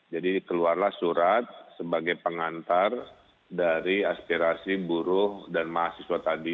jadi keluarlah surat sebagai pengantar dari aspirasi buru dan mahasiswa tadi